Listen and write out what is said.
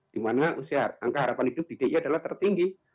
di mana usia harapan hidup di dia adalah tertinggi